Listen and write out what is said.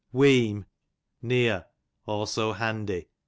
Wheem, near ; also handy.